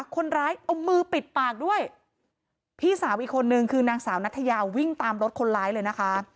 คนร้ายเอามือปิดปากด้วยพี่สาวอีกคนนึงคือนางสาวนัทยาวิ่งตามรถคนร้ายเลยนะคะ